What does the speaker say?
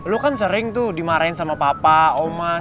lo kan sering tuh dimarahin sama papa oma